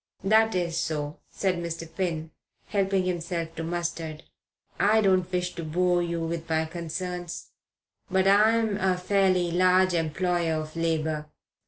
"That is so," said Mr. Finn, helping himself to mustard. "I don't wish to bore you with my concerns; but I'm a fairly large employer of labour.